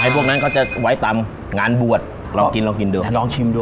พวกนั้นเขาจะไว้ตามงานบวชลองกินลองกินดูลองชิมดู